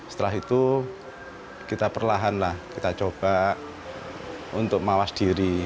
setelah itu kita perlahan lah kita coba untuk mawas diri